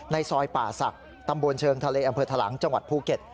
ซอยป่าศักดิ์ตำบลเชิงทะเลอำเภอทะลังจังหวัดภูเก็ต